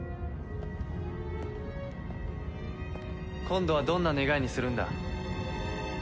今度はどんな願いにするんだ？